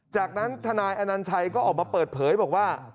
จากนั้นทนายอนัญชัยก็ออกมาเปิดเผยบอกว่า